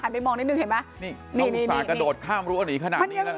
อาจารย์กระโดดข้ามรั้วหนีขนาดนี้แล้วนะ